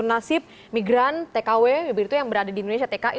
nasib migran tkw yang berada di indonesia tki